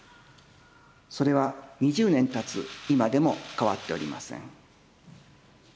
それは２０年経つ今でも変わっておりません。